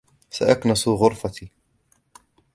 سأكنس غرفتي.